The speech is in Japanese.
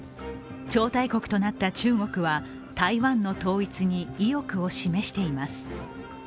超大国となった中国は台湾の統一に意欲を示しています。